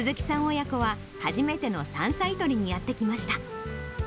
親子は、初めての山菜採りにやって来ました。